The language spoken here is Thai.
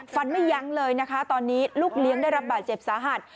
ไม่ยั้งเลยนะคะตอนนี้ลูกเลี้ยงได้รับบาดเจ็บสาหัส